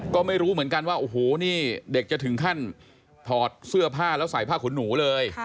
ก็ไม่รู้เหมือนกันว่าโอ้โหนี่เด็กจะถึงขั้นถอดเสื้อผ้าแล้วใส่ผ้าขนหนูเลย